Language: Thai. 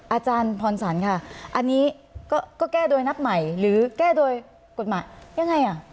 อาจารย์พรสันค่ะอันนี้ก็แก้โดยนับใหม่หรือแก้โดยกฎหมายยังไงอ่ะ